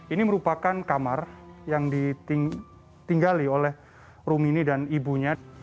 ini merupakan kamar yang ditinggali oleh rumini dan ibunya